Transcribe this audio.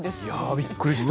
びっくりした。